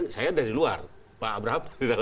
saya dari luar pak abraham